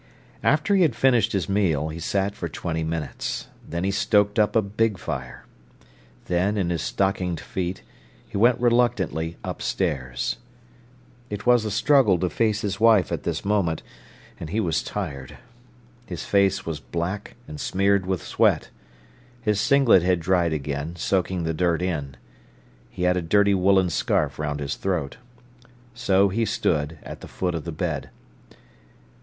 After he had finished his meal, he sat for twenty minutes; then he stoked up a big fire. Then, in his stockinged feet, he went reluctantly upstairs. It was a struggle to face his wife at this moment, and he was tired. His face was black, and smeared with sweat. His singlet had dried again, soaking the dirt in. He had a dirty woollen scarf round his throat. So he stood at the foot of the bed.